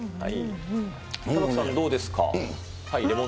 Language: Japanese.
玉城さん、どうですか？